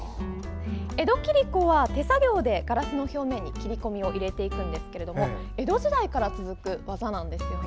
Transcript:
江戸切子は手作業でガラスの表面に切り込みを入れていくんですが江戸時代から続く技なんです。